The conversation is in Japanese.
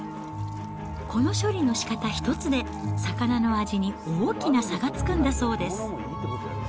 この処理のしかた１つで、魚の味に大きな差がつくんだそうです。